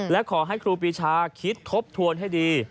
และขอให้ครูปีชาคิดทบทวนให้ดี